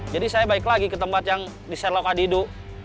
jadi saya balik lagi ke tempat yang diserlok adidu